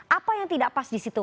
apa yang tidak pas di situ